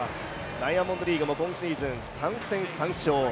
ダイヤモンドリーグも今シーズン３戦３勝。